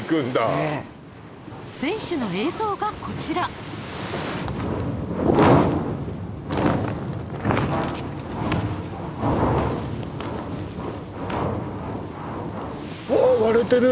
ええ船首の映像がこちらあっ割れてる！